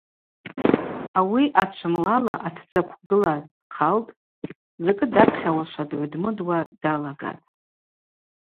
Ауи ачвымлала атдзаквгыла дхъалтӏ, закӏы дапхьауашва дгӏвыдмыдуа далагатӏ.